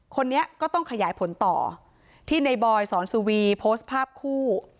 คนนี้ก็ต้องขยายผลต่อที่ในบอยสอนสุวีโพสต์ภาพคู่